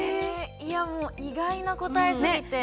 いやもう意外な答えすぎて。